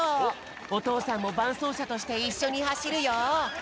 おとうさんもばんそうしゃとしていっしょにはしるよ！